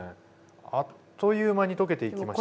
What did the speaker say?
あっという間に溶けていきました。